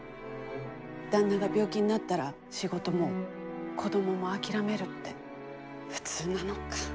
旦那が病気になったら仕事も子どもも諦めるって普通なのか。